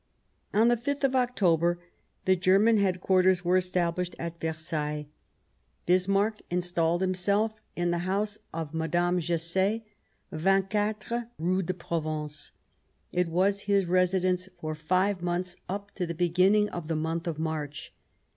On the 5th of October the German' Headquarters were estabhshed at Versailles ; Bismarck installed ^^„,, himself in the house of Mme Tesse, 24, AtVersaUIes n ■, n ^ u J Kue de Provence ; it was his residence for five months up to the beginning of the month of March.